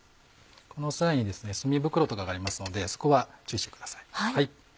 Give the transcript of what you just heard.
さらに墨袋とかがありますのでそこは注意してください。